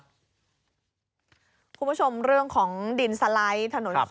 คุณผู้ชมเรื่องของดินสไลด์ถนน